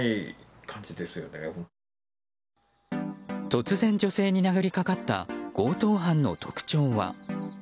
突然、女性に殴りかかった強盗犯の特徴は。